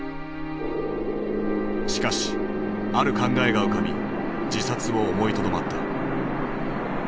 しかしある考えが浮かび自殺を思いとどまった。